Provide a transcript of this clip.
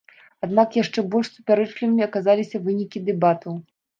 Аднак яшчэ больш супярэчлівымі аказаліся вынікі дэбатаў.